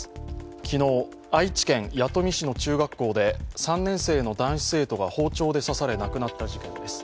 昨日、愛知県弥富市の中学校で３年生の男子生徒が包丁で刺され亡くなった事件です。